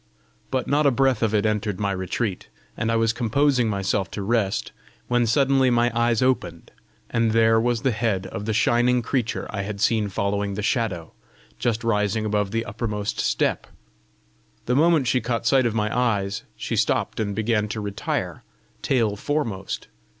But not a breath of it entered my retreat, and I was composing myself to rest, when suddenly my eyes opened, and there was the head of the shining creature I had seen following the Shadow, just rising above the uppermost step! The moment she caught sight of my eyes, she stopped and began to retire, tail foremost.